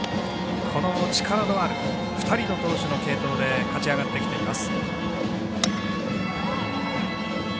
力のある、２人の投手の継投で勝ち上がってきています。